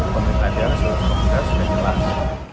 pemerintah di arah seluruh negara sudah jelas